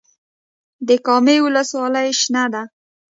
د کامې ولسوالۍ شنه ده